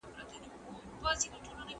پلار بايد د دوی تر منځ حکيمانه قضاوت وکړي.